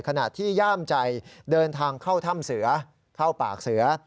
ขณะที่ย่ามใจเดินทางเข้าถ้ำเสือเข้าปากเสือ